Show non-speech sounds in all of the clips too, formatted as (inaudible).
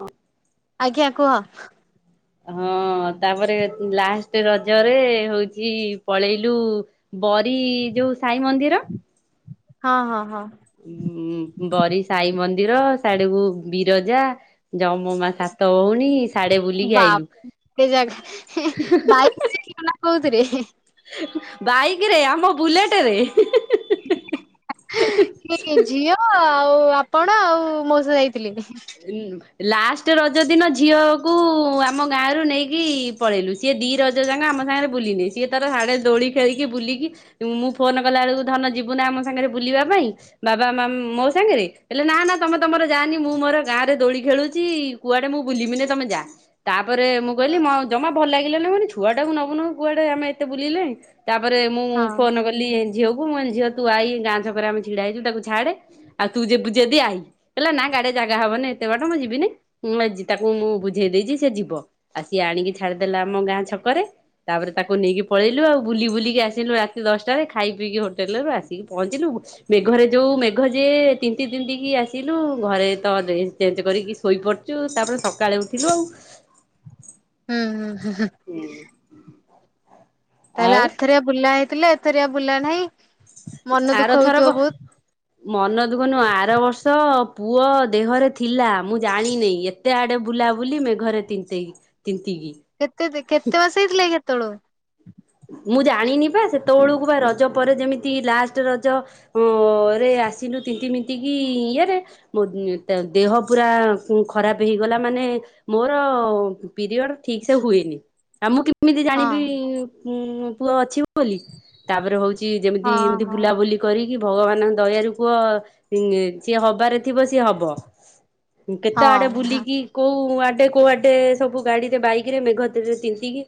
ହଁ। ଆଜ୍ଞା କୁହ। ହଁ ଅ ତାପରେ ଲାଷ୍ଟ ରଜରେ ହୋଉଛି ପଳେଇଲୁ ବରି ଯୋଉ ସାଇ ମନ୍ଦିର ହଁ ହଁ ହଁ। ଉ ବରି ସାଇ ମନ୍ଦିର ସ୍ୟାଡକୁ ବିରଜା ଯମ ମା ସାତ ଭୋଉଣୀ ବା ଟେ ଜାଗା ବାଇକ୍ କୋଉ ଥିରେ (unintelligible) ବାଇକ ରେ ଆମ ବୁଲେଟ ରେ। କିଏ କିଏ ଝିଅ ଆଉ ଆପଣ ଆଉ ମୋଉସା ଯାଇଥିଲେ। ଉ ଲାଷ୍ଟ ରଜ ଦିନ ଝିଅକୁ ଆମ ଗାଁରୁ ନେଇକି ପଳେଇଲୁ ସିଏ ଦି ରଜ ଯାଙ୍କ ଆମ ସାଙ୍ଗରେ ବୁଲିନି ସିଏ ତାର ସାଢେ ଦୋଳି ଖେଳିକି ବୁଲିକି ମୁଁ ଫୋନ କଲା ବେଳକୁ ଧନ ଯିବୁ ନା ଆମ ସାଙ୍ଗରେ ବୁଲିବା ପାଇଁ ବାବା ମ ମୋ ସାଙ୍ଗରେ ହେଲେ ନା ନା ତମେ ତମର ଯାନି ମୁଁ ମୋର ଗାଁ ରେ ଦୋଳି ଖେଳୁଛି କୁଆଡେ ମୁଁ ବୁଲିବିନି ତମେ ଯା ତାପରେ ମୁଁ କହିଲି ମ ଜମା ଭଲ ଲାଗିଲାନି ମୁଁ କନି ଛୁଆ ଟାକୁ ନବୁନୁ କୁଆଡେ ଆମେ ଏତେ ବୁଲିଲେଇଁ ତାପରେ ମୁଁ ହଁ ଫୋନ କ ଲି ଏ ଝିଅକୁ ମୁଁ କଲି ଝିଅ ତୁ ଆଇ ଗାଁ ଛକରେ ଆମେ ଛିଡା ହେଇଛୁ ତାକୁ ଛାଡେ ଆ ତୁ ଯିବୁ ଜେଦି ଆଇ କ ଲା ନା ଗାଡିରେ ଯା ଗା ହବନି ଏତେ ବାଟ ମୁଁ ଯିବିନି ମୁଁଏ ତାକୁ ମୁଁ ବୁଝେଇ ଦେଇଛି ସେ ଯିବ। ଆ ସିଏ ଆଣିକି ଛାଡିଦେଲା ଆମ ଗାଁ ଛକରେ ତାପରେ ତାକୁ ନେଇକି ପଳେଇଲୁ ଆଉ। ବୁଲି ବୁଲିକି ଆସିଲୁ ରାତି ଦଶଟାରେ ଖାଇ ପିଇକି ହୋଟେଲ ରୁ ଆସିକି ପହଞ୍ଚିଲୁ ମେଘରେ ଯୋଉ ମେଘ ଯେ ତିନ୍ତି ତିିନ୍ତି କି ଆସିଲୁ ଘରେ ତ ଡ୍ରେସ୍ ଚେଞ୍ଜ କରିକି ଶୋଇପଡିଚୁ ତାପରେ ସକାଳେ ଉଠିବୁ ଆଉ। ହୁଁ ହୁଁ ହୁଁ। ହୁଁ। ତାହେଲେ ଆର୍ଥରେଆ ବୁଲା ହେଇଥିଲେ ଏଥରିଆ ବୁଲା ନାହିଁ ମନ ଦୁଃଖ ଆରଥରକ ହଉଥିବ ବହୁତ। ମନ ଦୁଃଖ ନୁହଁ ଆର ବର୍ଷ ପୁଅ ଦେହରେ ଥିଲା ମୁଁ ଜାଣିନେଇ ଏ ତେଆଡେ ବୁଲାବୁଲି ମେଘରେ ତିନ୍ତେଇ ତିନ୍ତିକି। କେତେ ଯେ କେତେ ମାସେ ହେଇଥିଲେକି ହେତେବେଳୁ ମୁଁ ଜାଣିନି ପା ସେତେବେଳକୁ ବା ରଜ ପରେ ଯେମିତି ଲାଷ୍ଟ ରଜ ହଁ ରେ ଆସିଲୁ ତିିନ୍ତି ମିନ୍ତି କି ଇୟରେ ମୋ ଏ ତ ଦେହ ପୁରା ଖରାପ ହେଇଗଲା ମାନେ ମୋର ପିରିୟଡ ଠିକ ସେ ହୁଏନି ଆଉ ମୁଁ କେମ୍ କେମିତି ହଁ ଜାଣିବି ଉଁ ପୁଅ ଅଛି ବୋଲି? ତାପରେ ହଉଛି ଯେମିତି ହଁ ଏମିତି ହଁ ବୁଲାବୁଲି କରିକି ଭଗବାନଙ୍କ ଦୟାରୁୁ କୁହ ସିଏ ହବାରେ ଥିବ ସିଏ ହବ। ମୁଁ କେତେ ଆଡେ ହଁ ହଁ ବୁଲିକି କୋଉ ଆଡେ କୋଉ ଆଡେ ସବୁ ଗାଡିରେ ବାଇକ ରେ ମେଘତିରେ ଚିନ୍ତିକି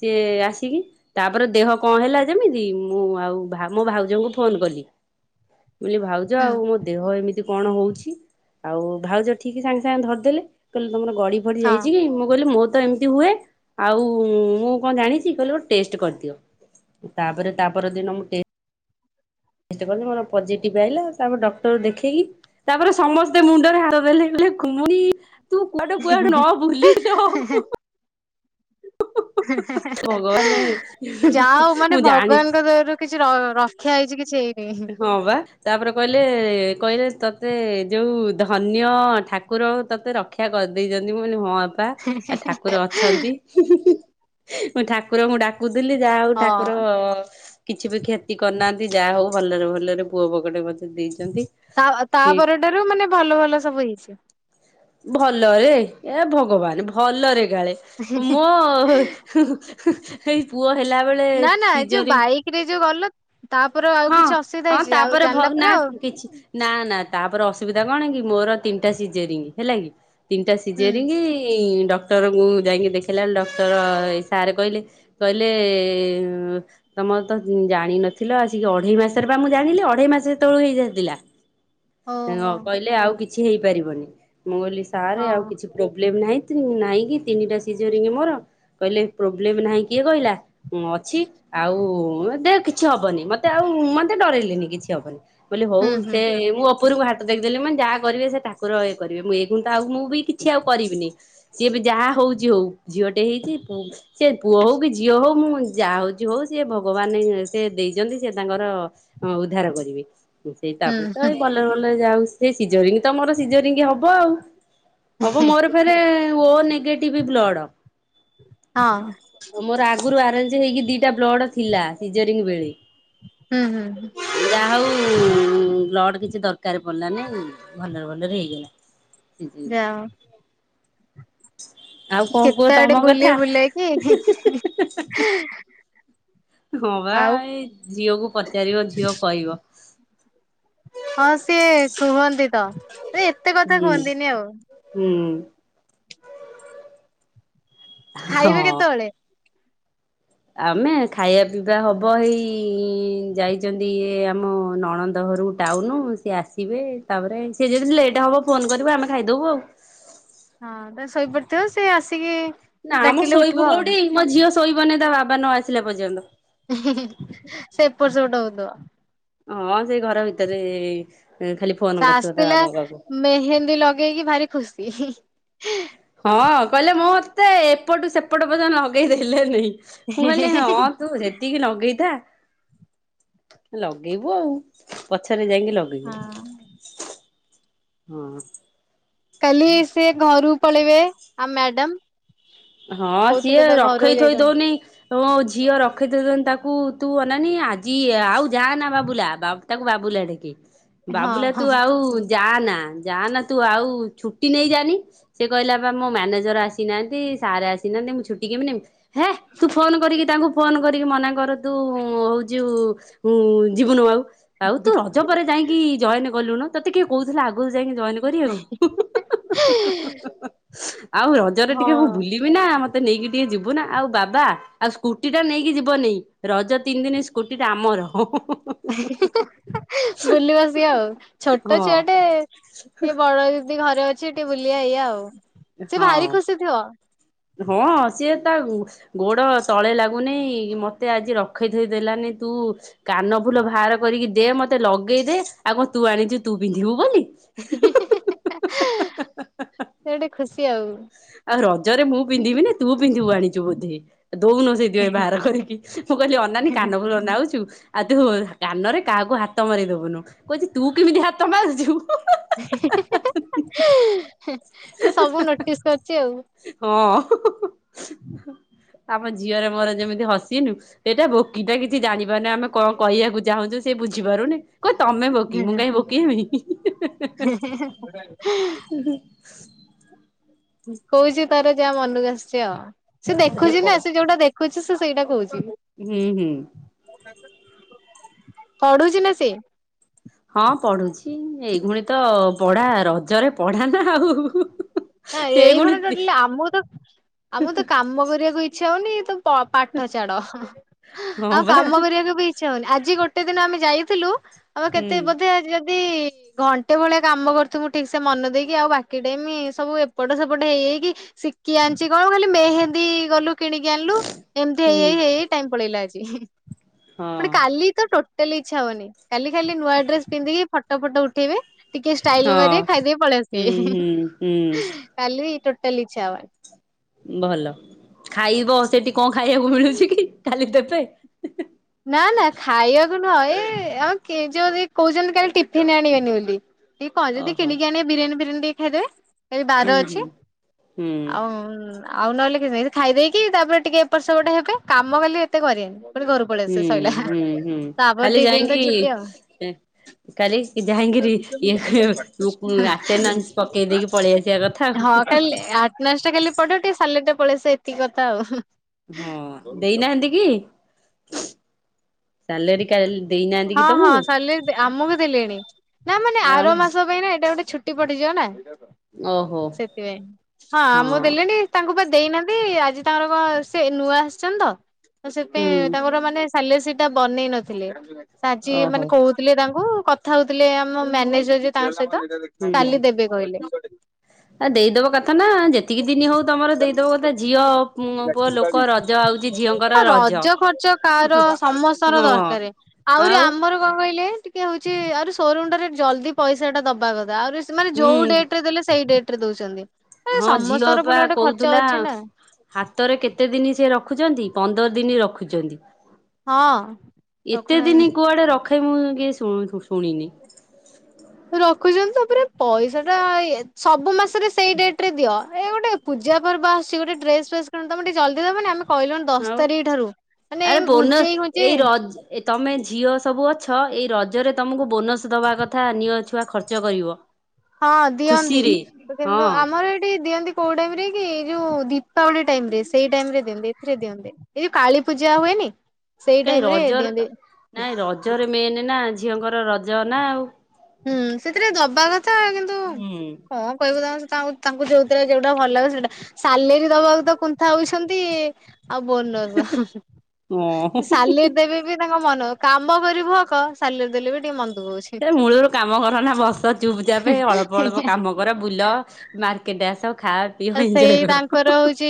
ସିଏ ଆସ ତିକି ତାପରେ ଦେହ କଣ ହେଲା ଯେମିତି ମୁଁ ଆଉ ମୋ ଭାଉଜଙ୍କୁ ଫୋନ କଲି। ଲି ଭାଉଜ ହୁଁ ଆଉ ମୋ ଦେହ ଏମିତି କଣ ହଉଛି ଆଉ ଭାଉଜ ଠିକ ସାଙ୍ଗେ ସାଙ୍ଗେ ଧରିଦେଲେ କହିଲେ ତମର ଗଡି ଡ଼ି ହଁ ଯାଇଛି କି ମୁଁ କହିଲି ମୁଁ ତ ଏମିତି ହୁଏ ଆଉ ମୁଁ କଣ ଜାଣିଛି (unintelligible) ଟେଷ୍ଟେ କରିଦିଅ ତାପରେ ତା ପରଦିନ ମୁଁ ଟେ ଟେଷ୍ଟେ କଲି ମୋର ପଜିଟିଭ ଆଇଲା ତାପରେ ଡକ୍ଟର ଦେଖେଇକି ତାପରେ ସମସ୍ତେ ମୁଣ୍ଡରେ ହାତ ଦେଲେ କନ ତୁ କୁଆଡେ କୁଆଡୁ ନ ଭୁଲିଛ। (unintelligible) ଭଗବାନେ ଯାଉ ମାନେ ମୁଁ ଜାଣି ଭଗବାନଙ୍କ ଦୟା ରୁ କିଛିର ରକ୍ଷା ହେଇଛି କିଛି ହେଇନି। ହଁ ବା ତାପରେ କହିଲେ କହିଲେ ତତେ ଯୋଉ ଧନ୍ୟ ଠାକୁର ତତେ ରଖ କ୍ଷା କରିଦେଇଛନ୍ତି ମ ହଁ ବାପା ଆ ଠାକୁର ଅଛନ୍ତି। (unintelligible) ମୁଁ ଠାକୁରଙ୍କୁ ଡାକୁଥିଲି ଯାହା ହଉ ଠାକୁର ହଁ କିଛି ବି କ୍ଷତି କରିନାହାନ୍ତି ଯାହା ହଉ ଭଲରେ ଭଲରେ ପୁଅ ବକେଟେ ମତେ ଦେଇଛନ୍ତି। ସିଏ ତା-ତାପଟାରୁ ମାନେ ଭଲ ଭଲ ସବୁ ହେଇଛିି। ଭଲରେ ଏ ଭଗବାନ ଭଲରେ କାଳେ ମୋ ଏଇ ପୁଅ ହେଲା ବେଳେ ସିଜରୀ କିରେ ଯୋଉ ଗଲ ତାପରେ ଆ ହଁ ହଁ ତାପରେ ଭଉ ନା କିଛି ନା ନା ତାପରେ ଅସୁବିଧା କଣ କି ମୋର ତିନିଟା ଶିଯାରିଂ ହେଲା କି? ତିନିଟା ହୁଁ ସିଜର କି ଡକ୍ଟରଙ୍କୁ ଯାଇକି ଦେଖାଇଲା ବେଳେ ଡକ୍ଟର ସାର୍ କହିଲେ କହିଲେ ତମ ତ ଜାଣିନଥିଲ ଆସିକି ଅ ଅଢେଇ ମାସରେ ବା ମୁଁ ଜାଣିଲି ଅଢେଇ ମାସ ଯେତେଳୁ ହେଇଯାଇଥିଲା ଓହୋ କହିଲେ ଆଉ କି କିଛି ହେଇପାରିବନି ମୁଁ ଲି ସାର ହଁ ଆଉ କିଛି ପ୍ରୋବ୍ଲେମ ନାହିଁ ନାହିଁ କି ତିନିଟା ସିଜରିଙ୍ଗ ମୋର କହିଲେ ପ୍ରୋବ୍ଲେମ ନାହିଁ କିଏ କହିଲା? ମୁଁ ଅଛି ଆଉ ଦେ କିଛି ହବନି ମତେ ଆଉ ମତେ ଡରଇଲିନି କିଛି ହବନି। ବୋଲି ହଉ ହୁଁ ହୁଁ ସେ ହୁଁ ମୁଁ ଅ ଉପରଙ୍କୁ ହାତ ଟେକି ଦେଲି ମାନେ ଯାହା କରିବେ ସେ ଠାକୁର ଇଏ କରିବେ ମୁଁ ଏଇ କୁଣ୍ଟା ଆଉ ମୁଁ ଉଇ କିଛି ଆଉ କରିବିନି ସିଏ ଏବେ ଯାହା ହଉଛି ହଉ। ଝିଅଟେ ହେଇଛି ସେ ପୁଅ ହଉ କି ଝିଅ ହଉ ମୁଁ ଯାହା ହଉ। ହଉ ସିଏ ଭଗବାନ ସେ ଦେଇଛନ୍ତି ସେ ତାଙ୍କର ଉଦ୍ଧାର କରିବେ। ସେଇ ହୁଁ ତାପରେ ତ ହୁଁ ଏଇ ବ ଭଲେ ଯାଉ ସେ ସିଝରିଙ୍ଗ ତମର ସିଝରିଙ୍ଗି ହବ। ହବ ମୋର ଫରେ ଓ ନେଗେଟିଭ ବ୍ଲଡ ହଁ। ମୋର ଆଗରୁ ଆରେଞ୍ଜ ହେଇକି ଦିଟା ବ୍ଲଡ ଥିଲା ସିଜରି ବେଳେ ହୁଁ ହୁଁ ଯା ହଉ ବ୍ଲଡ କିଛି ଦରକାର ପଡିଲାନି ଭଲରେ ଭଲରେ ହେଇଗଲା। ଯାଅ ଆଉ କଣ କୁହ କେତେ ଆଡେ ତମ ବୁଲି କଥା? ବୁଲାଇକି ହଁ ବା ଏଇ ଝିଅକୁ ପଚାରିବ ଝିଅ କହିବ। ହଁ ସିଏ କୁହନ୍ତି ତ ସେ ଏତେ କଥା ହୁଁ କୁହନ୍ତିନି ଆଉ। ହୁଁ। ଖାଇବେ ହଁ। କେତବେଳେ? ଆମେ ଖାଇବା ପିଇବା ହବ ହେଇ ଯାଇଛନ୍ତି ଇଏ ଆମ ନଣନ୍ଦ ଘରକୁ ଟାଉନୁ ସିଏ ଆସିବେ ତାପରେ ସିଏ ଯଦି ଲେଟ୍ ହେବ ଫୋନ୍ କରିବ ଆମେ ଖାଇଦେବୁ ଆଉ। ହଁ ତା ଶୋଇପଡିଥିବ ସେ ଆସିକି ନା ମ ଡାକିଲେ ଉଠିବ ଶୋଇବୁ କୋଉଠି ଆଉ ମୋ ଝିଅ ଶୋଇବନି ତା ବାବା ନ ଆସିଲା ପର୍ଯ୍ୟନ୍ତ। ସେ ଏପଟ ସେପଟ ହଉଥବ। ହଁ ସେ ଘର ଭିତରେ ଖାଲି ସେ ଫୋନ କରୁଥିବ ତା ଆସିଥିଲା ବାବା ପାଖକୁ। ମେହେନ୍ଦୀ ଲଗେଇକି ଭାରି ଖୁସି। ହି ହି ହଁ କହିଲେ ମୋ ମତେ ଏପଟୁ ସେପଟ ପର୍ଯ୍ୟନ୍ତ ଲଗେଇ ଦେଲେ ନେଇ ମୁଁ କହିଲି ହଁ ତୁ ସେତିକି ଲଗେଇଥା, ଲଗେଇବୁ ଆଉ ପଛରେ ଯାଇକି ଲଗେଇ ଇବୁ ହଁ ହଁ କାଲି ସେ ଘରୁ ପଳେଇବେ ଆ ମ୍ୟାଡାମ? ହଁ କହୁଥିଲେ ସିଏ ତ ଘରକୁ ରଖେଇ ଥୋଇ ଯାଇଛନ୍ତି। ଦଉନି ହଁ ଝିଅ ରଖେଇ ଥୋଇ ଦଉନି ତାକୁ ତୁ ଅନାନି ଆଜି ଆଉ ଯାଆ ନା ବାବୁଲା ତାକୁ ବାବୁଲା ଡାକେଇ, ହଁ ବାବୁଲା ତୁ ହଁ ଆଉ ଯା ନା ଯା ନା ତୁ ଆଉ ଛୁଟି ନେଇ ଯାନି। ସେ କହିଲା ବା ମୋ ମ୍ୟାନେଜର ଆସିନାହାନ୍ତି। ସାର ଆସିନାହାଁନ୍ତି ମୁଁ ଛୁଟି କେମି ନେବି ହେ ତୁ ଫୋନ କରିକି ତାଙ୍କୁ ଫୋନ କରିକି ମନା କର ତୁ ହଉଛି ଯିବୁନୁ ଆଉ। ଆଉ ତୁ ରଜ ପରେ ଯାଇକି ଜଏନ କଲୁ ନୁ ତତେ କିଏ କହୁଥିଲା ଆଗରୁ ଯାଇକି ଜଏନ ବରି ଆଉ, ଆଉ ରଜରେ ଟିକେ ମୁଁ ହଁ। ଯିବି ନା ମୋତେ ନେଇକି ଟିକେ ଯିବୁ ନା ଆଉ ବାବା ଆଉ ସ୍କୁଟି ଟା ନେଇକି ଯିବନି ରଜ ତିନି ଦିନ ସ୍କୁଟି ଟା ଆମର। ଏ ହେ ହେ ହେ ବୁଲିବ ସିଏ ଆଉ। ଛୋଟ ଛୁଆ ଟେ ହଁ ସେ ବଡ ଦିଦି ଘରେ ଅ ଛି ଟିକେ ବୁଲିବା ଏଇଆ ଆଉ। ସେ ଭାରି ଖୁସି ଥିବ ହଁ ହଁ ସିଏ ତା ଗୋଡ ତଳେ ଲାଗୁନି ମତେ ଆଜି ରଖେଇ ଥୋଇ ଦେଲାନି ତୁ କାନ ଫୁଲ ବାହାର କରିକି ଦେ ମତେ ଲଗେଇଦେ ଆଉ କଣ ତୁ ଆଣିଛୁ ତୁ ପିନ୍ଧିବୁ ବୋଲି? ସେ ଗୋଟେ ଖୁସି ଆଉ। ଆଉ ରଜରେ ମୁଁ ପିନ୍ଧିବି ନା ତୁ ପିନ୍ଧିବୁ ଆଣିଛୁ ବୋଧେ ଦଉନୁ ସେ ବାହାର କରିକି ମୁଁ କହିଲି ଅନନାନୀ କାନ ଫୁଲ ନାଉଛୁ? ଆଉ ତୁ କାନରେ କାହାକୁ ହାତ ମରେଇ ଦବୁନୁ, କହୁଛି ତୁ କେମିତି ହାତ ମାରୁଛୁ? ସେ ସବୁ ନୋଟିସ୍ କରଛି ଆଉ। ହଁ ଆମ ଝିଅର ମୋର ଯେମିତି ହସିନୁ ସେଇଟା ବୋକିଟା କିଛି ଜାଣିପାରୁନି ଆମେ କଣ କହିବାକୁ ଚାହୁଁଛୁ ସେ ବୁଝିପାରୁନି? କହିବ ତମେ ବୋକି ମୁଁ କାଇଁ ବୋକି ହେବି! କହୁଛି ତାର ଯାହା ମନକୁ ଆସୁଚି ଆଉ, ସେ ହେ କ ଦେଖୁଛି ନା ସେ ଯୋଉଟା ଦେଖ ଖୁଛି ସେ ସେଇଟା କହୁଛି। ହୁଁ ହୁଁ। ପଢୁଛି ନା ସିଏ? ହଁ ପଢୁଛି ଏଇ ଘୁଣେ ତ ପଢା ରଜରେ ପଢା ନା ଆଉ ନା ସେ ଏଇ ପୁଣି ଘର ଟୋଟାଲି ଆମକୁ ତ ଆମ କୁ ତ କାମ କରିବାକୁ ଇଚ୍ଛା ହଉନି ତ ପ ପାଠ ଛାଡ଼। ହଁ ଆଉ ବା କାମ କରିବାକୁ ବି କିଛି ହଉନି ଆଜି ଗୋଟେ ଦିନ ଆମେ ଯାଇଥିଲୁ ଆମ ହୁଁ କେତେ ବୋଧେ ଯଦି ଘଣ୍ଟେ ଭଳିଆ କାମ କରୁଥିବୁ ମୁଁ ଠିକ ସେ ମନେ ଦେଇକି ଆଉ ବାକି ଟାଇମି ସବୁ ଏପଟ ସେପଟ ହେଇଯାଇକି ଶିଖି ଆଣିଛି କଣ ଖାଲି ମେହେନ୍ଦୀ ଗଲୁ। କିଣିକି ଆଣିଲୁ ଏମତି ହେଇ ହୁଁ। ହେଇ ଟାଇମ ପଳେଇଲା ଆଜି ପୁଣି ହଁ କାଲି ତ ଟୋ ଟୋଟାଲି ଇଛାହଉନି କାଲି ଖାଲି ନୂଆ ଡ୍ରେସ ପିନ୍ଧିକି ଫଟୋ ଫଟ ଉଠେଇବେ। ଟିକେ ଷ୍ଟାଇଲି ହଁ ମାରବେ ଖାଇଦେଇ ପଳେଇ ହୁଁ ଆସିବେ। ହୁଁ ହୁଁ। କାଲି ଟୋଟାଲି ଇଚ୍ଛା ହବନି। ଭଲ ଖାଇବ ସେଠି କଣ ଖାଇବାକୁ ମିଳୁଛି କି ଖାଲି ଦେବେ। ନା ନା ଖାଇବାକୁ ନୁହଁ ଏଇ ଆଉ କେ ଯୁ ରୁ କହୁଛନ୍ତି କାଲି ଟିଫନ୍ ଆଣିବେନି ବୋଲି। ଏଇ କ ଯଦି ଓହୋ କିଣିକି ଆଣିବେ ବିରିୟାନ ଫିରିୟନୀ ଟିକେ ଖାଇଦେବେ। ଏ ହୁଁ ବାର ଅଛି ହୁଁ। ହୁଁ ଆଉ ଆଉ ନହେଲେ କିଛି ନାଇଁ ଖାଇ ଦେଇେଇକି ତାପରେ ଟିକେ ଏପଟେ ସେପଟେ ହେବେ କାମ କାଲି ଏତେ କରିବେନି ଫୁଣି ଘରୁ ପଳେଇ। ହୁଁ ଆସିବେ ସଇଲା ହୁଁ ହୁଁ ତାପରେ ଖାଲି ଦି ଦିନ ତ ଛୁଟି ଆଉ। ଯାଇଙ୍ଗି କାଲି ଯାଇକିରି ଇଏ କୁ ଆଟେନାସ ପକେଇ ଦେଇକି ପଳେଇ ଆସିବା କ ଥା। ଆଟନାସ ଟା ଖାଲି ପଡିବ ଟିକେ ସାଲଟା ପଳେଇ ଆସିବ ଏତିକି କଥା ଆଉ। ହୁଁ ଦେଇନାହାନ୍ତି କି? ା ଦେଇ (unintelligible) ହଁ ହଁ ସାଲେରି ଆମକୁ ଦେଲେଣି ନା ମାନେ ଆମ ଆର ମାସ ପାଇଁ ନା ଏଇଟା ଗୋଟେ ଛୁ ଛୁଟି ପଡିଯିବ ନା ଓହୋ ସେଥିପାଇଁ ହଁ ଆମକୁ ଦେଲେନି। ତାଙ୍କୁ ବା ଦେଇନାହାନ୍ତି ଆଜି ତାଙ୍କର କଣ ସେ ନୂଆ ଆସିଛନ୍ତି ତ ସେଥି ପାଇ ହୁଁ ତାଙ୍କର ମାନେ ଥାଲେ ସେଇଟା ବନେଇ ନଥିଲେ ସେ ଆଜି ଓହୋ ମାନେ କହୁ ଥିଲେ ତାଙ୍କୁ କଥା ହଉଥିଲେ ଆମ ମ୍ୟାନେଜର ଯେ ତାଙ୍କ ସହିତ ହୁଁ। କାଲି ଦେବେ କହିଲେ। ଆ ଦେଇଦବା କଥା ନା ଯେତିକି ଦିନ ହଉ ତମର ଦେଇଦବ କଥା ନା ଝିଅ ପୁଅ ଲୋକ ରଜ ଆଉଛି ଝିଅଙ୍କର ରଜ ଖର୍ଚ୍ଚ କାହାର ସମସ୍ତଙ୍କ ହଁ ଦରକାର ଆହୁରି ଆଉ ଆମ ମୋର କଣ କହିଲେ ଟିକେ ହଉଛି ଆ ସୋରୁମରୁ ଟା ଜ୍ଲଦି ପଇସାଟା ଦବା କଥା ଆହୁରୀ ସେମାନେ ହୁଁ ଯୋଉ ଡେଟ ରେ ଦେଲେ ସେଇ ଡେଟ ରେ ଦଉଛନ୍ତି। ଏ ହଁ ଝିଅ ସମସ୍ତଙ୍କର ପୁଣି ବା ଗୋଟେ ଖର୍ଚ୍ଚ କହୁଥିଲା ଅଛି ନା ହାତରେ କେତେ ଦିନି ସେ ରଖୁଛନ୍ତି ପନ୍ଦର ଦିନ ରଖୁଛନ୍ତି। ହଁ ଏତେ ରଖୁନାହାନ୍ତି। ଦିନ କୁଆଡେ ରଖେ ମୁଁ କିଏ ସୁ ଶୁଣିନି। ରଖୁଛନ୍ତି ତାପରେ ପଇସା ଟା ସବୁ ମାସରେ ସେଇ ଡେଟ ରେ ଦିଅ। ଏ ଗୋଟେ ପୂଜା ପର୍ବ ଆଶୁଛି ଗୋଟେ ଡେସ୍ ଫ୍ରେସ୍‌ କିଣିନ୍ତୁ ତମେ ଟିକେ ଜ୍ଲଦି ଦବନି। ଅମେ କହିଲଣି ଦଶ ଆଉ ତାରିଖ ଠାରୁ ମାନେ ଏଇ ଘୁଞ୍ଚେଇଇ ଘୁଞ୍ଚେଇ ଏ ତମେ ଝିଅ ସବୁ ଅଛ ଏଇ ରଜରେ ତମକୁ ବୋନସ ଦବା କଥା ନିଅ ଝୀ ଛୁଆ ଖର୍ଚ୍ଚ କରିବ। ହଁ ଦିଅନ୍ତି ଖୁସିରେ ତ କିନ୍ତୁ ହଁ ଆମର ଏଠି ଦିଅନ୍ତି କୋଉ ଟାଇମ ରେ କି ଯୋଉ ଦୀପାବଳି ଟାଇମ ରେ ସେଇ ଟାଇମ ରେ ଦିଅନ୍ତ ଏଥିରେ ଦିଅନ୍ତିନି। ଏଇ ଯୋଉ କାଳୀ ପୂଜା ହୁଏନି? ସେଇ କାଇଁ ଟାଇମ ରେ ରଜରେ ଦିଅନ୍ତି ତ ନାଇଁ ରଜରେ ମେନ ନା ଝିଅଙ୍କର ରଜ ନା ଆଉ। ହୁଁ ସେଥିରେ ଦବା କଥା କିନ୍ତୁ ହୁଁ। କଣ କହିବୁ ସେ ତାଙ୍କୁ ତାଙ୍କୁ ଯୋଉଥିରେ ଯୋଉଟା ଭଲ ଲାଗେ ସେଇଟା, ସାଲେରୀ ଦବାକୁ ତ କୁନ୍ଥା ହଉଛନ୍ତି। ଆଉ ବୋନସ୍‌, ଓଁ ସାଲେରି ଦେବେ ବି ତାଙ୍କ ମନ, କାମ କରିବୁ ହକ, ସାଲିରେ ଦେଲେ ବି ଟିକେ ମନ ଦୁଃଖ ହଉଛି। ସେ ମୂଳରୁ କାମ କର ନା ବସ ଚୁପ୍ ଚାାପ ଅଳ୍ପ ଅଳ୍ପ କାମ ର ବୁଲ ମାର୍କେଟ ଆସ ଖା ସେଇ ତାଙ୍କର ହଉଛି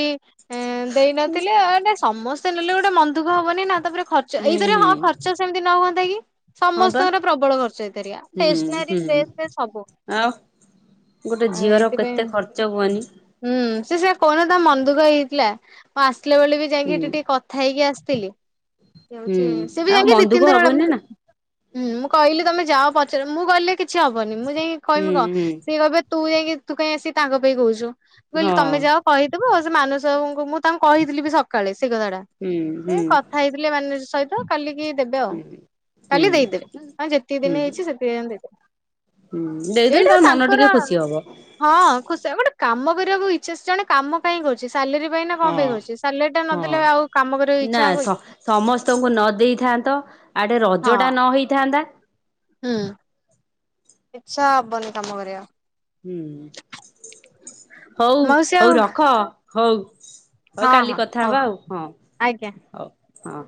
ଦେଇନଥିଲେେ ସମସ୍ତେ। ନେଲେ ଗୋଟେ ମନ ଦୁଃଖ ହବନି ନା, ତାପରେ ଖର୍ଚ୍ଚ, ହୁଁ ଏଇଥରେ ହୁଁ ହଁ ଖର୍ଚ୍ଚ ସେମିତି ନ ହୁଅତା କି ହଁ ବା ସମସ୍ତଙ୍କର ପ୍ରବଳ ଖର୍ଚ୍ଚ ଏଇଥରେ ହୁଁ ଷ୍ଟେସନାରୀ ହୁଁ। ଡ୍ରେସ ରେ, ସବୁ ଆଉ ଗୋଟେ ଆଉ ଝିଅର ଏଇଥିପାଇଁ କେତେ ଖର୍ଚ୍ଚ ହୁଅନି ହୁଁ ସେଆ କହୁନ ତା ମନ ଦୁଃଖ ହେଇଥିଲା, ମୁଁ ଆସିଲା ବେଳେ ବି ଯାଇକି ହୁଁ ସେଠି ଟିକେ କ କଥା ହେଇକି ଆସିଥିଲି ହଉଛି ହୁଁ। ସି ବି ଆଉ ଯାଇଁକି ମନ ଦି ଦୁଃଖ ତିନିଥର ବେ ହବନି ନା ହୁଁ ମୁଁ କହିଲି ତମେ ଯାଅ ପଚାର, ମୁଁ କହିଲେ କିଛି ହବନି, ମୁଁ ଯାଇକି କହିବି ହୁଁ କଣ, ହୁଁ ସିଏ କହିବେ ତୁ କାଇଁକି ତୁ କାଇଁକି ଆସି ତାଙ୍କ ପାଇଁ କହୁଛୁ, ମୁ କହିଲି ହଁ ତମେ ଯାଅ କହିଦବ ସେ ମାନସ ବାବୁଙ୍କୁ ମୁ, ମୁ ତାଙ୍କୁ କହିଥିଲି ବି ସକାଳେ ସେ କଥାଟା ହୁଁ ସେ ହୁଁ। କ ଖାଇଥିଲେ ମାନସ ସହି ତ କାଲିକି ଦେବେ ଆଉ, ହୁଁ କାଲି ହୁଁ ଦେଇଦେବେ, ଆଉ ଯେତିକି ଦିନ ହୁଁ ହେଇଛି ସେତିକ ଦିନ ଦେବେ। ଦେଇଦେଲେ ତାର ମନ ଟିକେ ଖୁସି ହବ। ହଁ ଖୁସିଉ ଗୋଟେ କାମ କରିବାକୁ ଇଚ୍ଛା, ଅ ଜଣେ କାମ କାହିଁ କରୁଛି, ସାଲେରୀ ପାଇଁ ନା କଣ ହଁ ପାଇଁ କରୁଛି, ସାଲରିୀ ହଁ। ନେଲେ ଆଉ କାମ କରିବା ନା ଇଚ୍ଛା ହବ ସ କି। ସମସ୍ତଙ୍କୁ ନ ଦେଇଥାନ୍ତ, ଆଡ଼େ ହଁ ରଜଟା ନ ହେଇଥାନ୍ତା। ହୁଁ ଇଚ୍ଛା ହବନି କାମ କରିବାକୁ। ହୁଁ ହଉ, ମାଉସୀ ଆଉ ହଉ ରଖ ହଉ। ହଉ ହଁ କାଲି ହଁ କଥା ହଉ ହବା ଆଉ ହଁ ଆଜ୍ଞା। ହଉ ହଁ।